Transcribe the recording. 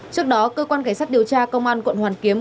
trước đó cơ quan cảnh sát điều tra công an quận hoàn kiếm